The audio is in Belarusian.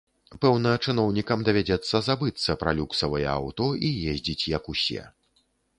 Пэўна, чыноўнікам давядзецца забыцца пра люксавыя аўто і ездзіць, як усе.